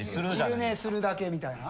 昼寝するだけみたいな？